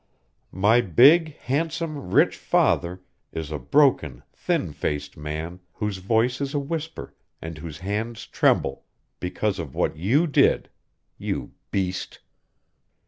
My big, handsome, rich father is a broken, thin faced man whose voice is a whisper and whose hands tremble because of what you did. You beast!"